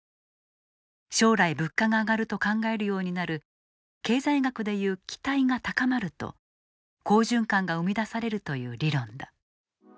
将来、物価が上がると考えるようになる経済学でいう期待が高まると好循環が生み出されるという理論だ。